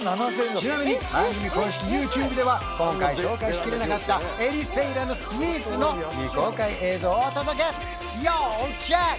ちなみに番組公式ＹｏｕＴｕｂｅでは今回紹介しきれなかったエリセイラのスイーツの未公開映像をお届け要チェック！